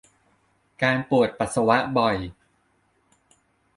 การปวดปัสสาวะบ่อย